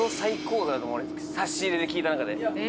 差し入れで聞いた中で。